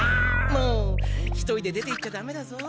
もう一人で出ていっちゃダメだぞ。